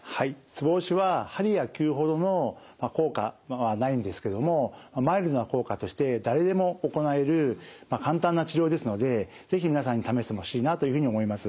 ツボ押しは鍼や灸ほどの効果はないんですけどもマイルドな効果として誰でも行える簡単な治療ですので是非皆さんに試してほしいなというふうに思います。